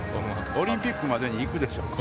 オリンピックまでに行くでしょう。